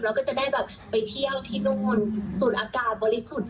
แล้วก็จะได้แบบไปเที่ยวที่นู่นมนต์สูดอากาศบริสุทธิ์